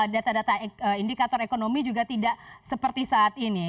data data indikator ekonomi juga tidak seperti saat ini